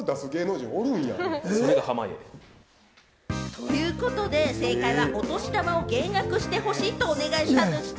ということで、正解は、お年玉を減額してほしいとお願いしたでした。